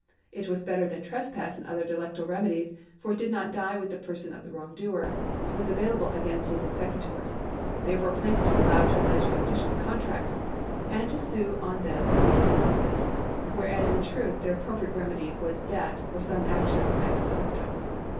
It was better than trespass and other delictal remedies, for it did not die with the person of the wrongdoer, but was available against his executors. Therefore plaintiffs were allowed to allege fictitious contracts, and to sue on them in assumpsit, whereas in truth their apj)ropriate remedy was debt or some action ex delicto.